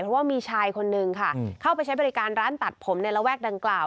เพราะว่ามีชายคนนึงค่ะเข้าไปใช้บริการร้านตัดผมในระแวกดังกล่าว